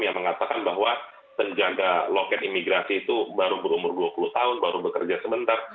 yang mengatakan bahwa penjaga loket imigrasi itu baru berumur dua puluh tahun baru bekerja sebentar